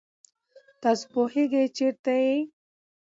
تاسو پوهېږئ چېرته یئ؟